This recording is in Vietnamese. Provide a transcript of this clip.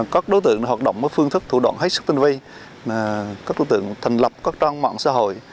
các đối tượng hoạt động với phương thức thủ đoạn hết sức tinh vi mà các đối tượng thành lập các trang mạng xã hội